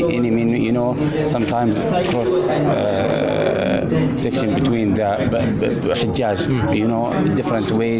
kita ingin setiap perangkat menemukan petugas lapangan